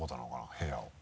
部屋を。